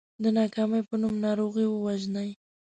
د ناکامۍ په نوم ناروغي ووژنئ .